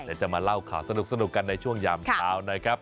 เดี๋ยวจะมาเล่าข่าวสนุกกันในช่วงยามสาวนะครับ